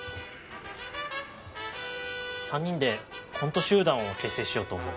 ３人でコント集団を結成しようと思う。